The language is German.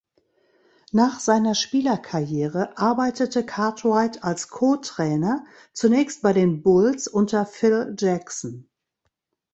Nach seiner Spielerkarriere arbeitete Cartwright als Co-Trainer, zuerst bei den Bulls unter Phil Jackson.